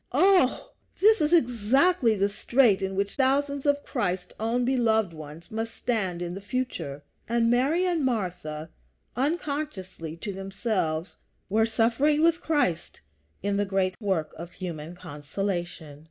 Ah! this is exactly the strait in which thousands of Christ's own beloved ones must stand in the future; and Mary and Martha, unconsciously to themselves, were suffering with Christ in the great work of human consolation.